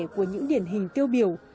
của những điển hình tiêu biểu